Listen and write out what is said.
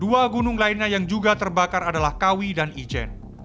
dua gunung lainnya yang juga terbakar adalah kawi dan ijen